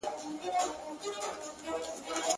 څه مو کول، چي پلار او نيکه مو کول.